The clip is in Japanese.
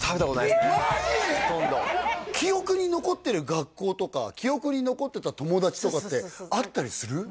記憶に残ってる学校とか記憶に残ってた友達とかってあったりする？